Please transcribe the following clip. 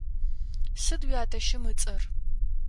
Сыд уятэщым ыцӏэр?